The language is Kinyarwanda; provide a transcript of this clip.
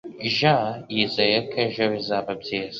Jean yizeye ko ejo bizaba byiza.